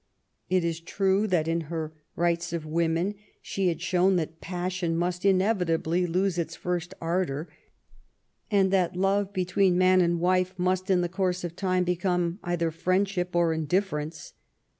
It is true that in her Rights of Women she had shown that passion must inevitably lose its first ardour, and that/ love between man and wife must in the course of time become either friendship or indifference.